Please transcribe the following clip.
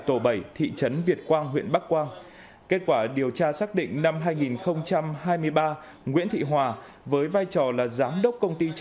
từ vé tàu xe hay vé xem phim